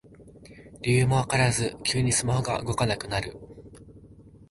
理由もわからず急にスマホが動かなくなる